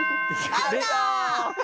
アウト！